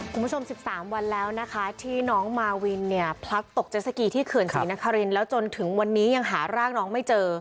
๑๓วันแล้วนะคะที่น้องมาวินเนี่ยพลัดตกเจสสกีที่เขื่อนศรีนครินแล้วจนถึงวันนี้ยังหาร่างน้องไม่เจอ